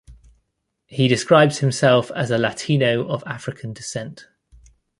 He describes himself as a Latino of African descent.